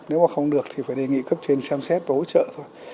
nếu mà không được thì phải đề nghị cấp trên xem xét và hỗ trợ thôi